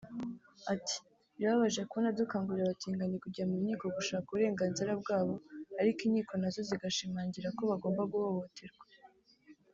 Ati “Birababaje kubona dukangurira abatinganyi kujya mu nkiko gushaka uburenganzira bwabo ariko inkiko nazo zigashimangira ko bagomba guhohoterwa